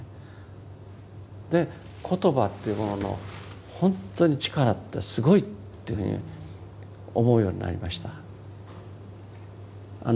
言葉というものの本当に力ってすごいというふうに思うようになりました。